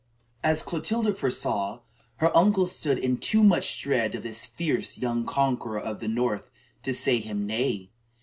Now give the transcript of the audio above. As Clotilda foresaw, her uncle stood in too much dread of this fierce young conqueror of the north to say him nay.